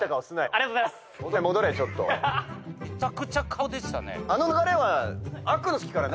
めちゃくちゃ顔でしたね。